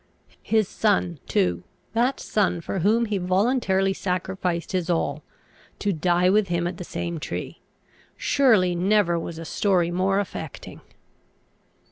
His son, too, that son for whom he voluntarily sacrificed his all, to die with him at the same tree; surely never was a story more affecting!